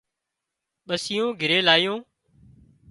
ٻسُون گھرِي لايون